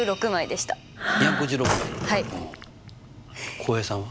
浩平さんは？